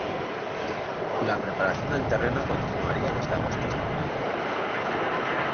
La preparación del terreno continuaría desde agosto hasta noviembre.